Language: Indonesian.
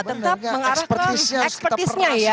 tetap mengarahkan ekspertisnya ya